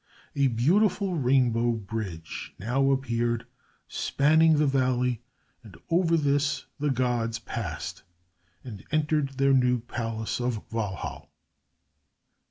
A beautiful rainbow bridge now appeared, spanning the valley, and over this the gods passed, and entered their new palace of Walhall.